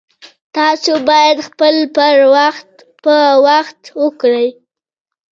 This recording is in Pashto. تاسو باید خپل پر وخت په وخت وکړئ